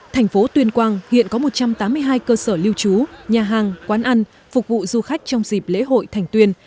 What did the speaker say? thành phố tuyên quang hiện có một trăm tám mươi hai cơ sở lưu trú nhà hàng quán ăn phục vụ du khách trong dịp lễ hội thành tuyên